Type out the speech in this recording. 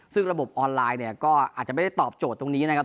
ซึ่งระบบออนไลน์เนี่ยก็อาจจะไม่ได้ตอบโจทย์ตรงนี้นะครับ